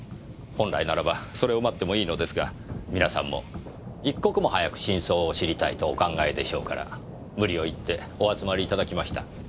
本来ならばそれを待ってもいいのですが皆さんも一刻も早く真相を知りたいとお考えでしょうから無理を言ってお集まり頂きました。